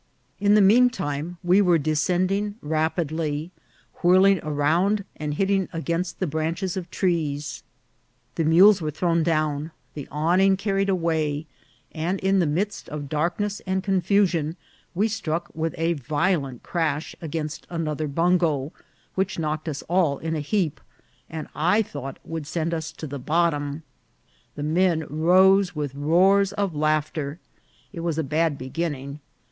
In the mean time we were descending rapidly, whirl ing around and hitting against the branches of trees ; the mules were thrown down, the awning carried away, and in the midst of darkness and confusion we struck with a violent crash against another bungo, which knock ed us all into a heap, and I thought would send us to the bottom. The men rose with roars of laughter. It was a bad beginning.